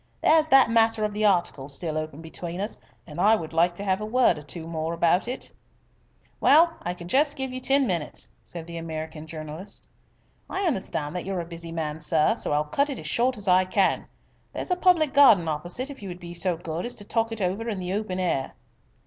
"There's that matter of the article still open between us, and I would like to have a word or two more about it." "Well, I can give you just ten minutes," said the American journalist. "I understand that you are a busy man, sir, so I'll cut it as short as I can. There's a public garden opposite if you would be so good as talk it over in the open air."